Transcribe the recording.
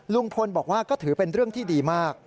ลุงพลบอกว่าก็ถือเป็นเรื่องที่ดีมาก